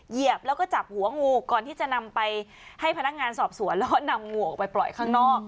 เหยียบแล้วก็จับหัวงูก่อนที่จะนำไปให้พนักงานสอบสวนแล้วก็นำงูออกไปปล่อยข้างนอก